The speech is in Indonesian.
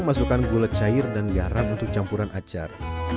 masukkan gula cair dan garam untuk campuran acar